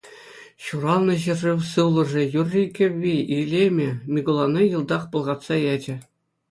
Ҫуралнӑ ҫӗршыв сывлӑшӗ, юрри-кӗвви, илемӗ Микулана йӑлтах пӑлхатса ячӗ.